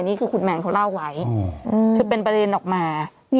นี่คือคุณแมนเขาเล่าไว้คือเป็นประเด็นออกมา